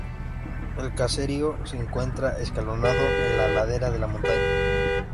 El caserío se encuentra escalonado en la ladera de la montaña.